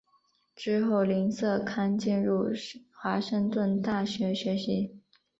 之后林瑟康进入华盛顿大学学习。